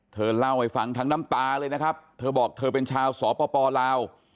เธอเล่าให้ฟังทั้งน้ำตาเลยนะครับเธอบอกเธอเป็นชาวสปลาว